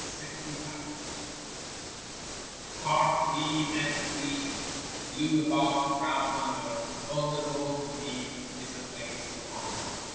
SIC VITA Heart free, hand free, Blue above, brown under, All the world to me Is a place of wonder.